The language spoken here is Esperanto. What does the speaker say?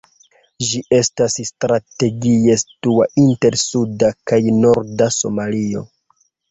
Ĝi estas strategie situa inter suda kaj norda Somalio.